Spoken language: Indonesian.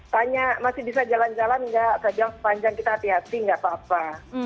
tanya masih bisa jalan jalan nggak sepanjang kita hati hati nggak apa apa